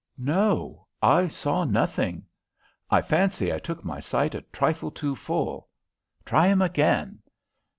"No; I saw nothing." "I fancy I took my sight a trifle too full." "Try him again."